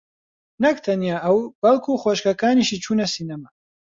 نەک تەنیا ئەو بەڵکوو خوشکەکانیشی چوونە سینەما.